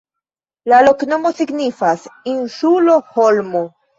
La loknomo signifas: insulo-holmo.